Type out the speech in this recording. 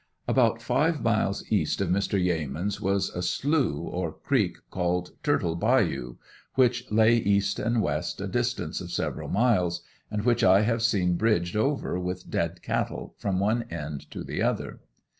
About five miles east of Mr. Yeamans' was a slough or creek called "Turtle bayou" which lay east and west a distance of several miles, and which I have seen bridged over with dead cattle, from one end to the other.